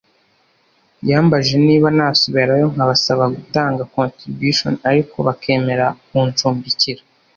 yambajije niba nasubirayo nkabasaba gutanga contribution ariko bakemera kuncumbikira